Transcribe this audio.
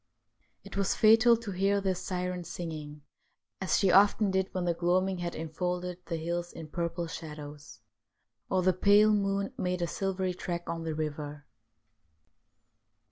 It was fatal to hear this syren singing, as she often did when the gloaming had en folded the hills in purple shadows ; or the pale moon made a silvery track on the river.